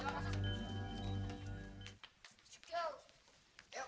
masuk masuk masuk